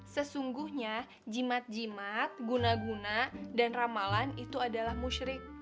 sesungguhnya jimat jimat guna guna dan ramalan itu adalah musyrik